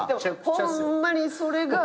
ホンマにそれが。